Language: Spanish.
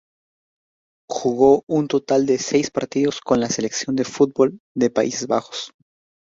Jugó un total de seis partidos con la selección de fútbol de Países Bajos.